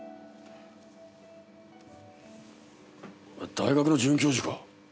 大学の准教授か。